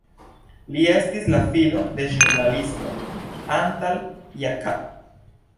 Li estis la filo de ĵurnalisto Antal Jakab.